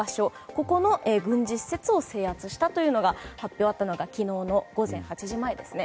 ここの軍事施設を制圧したという発表があったのが昨日の午前８時前ですね。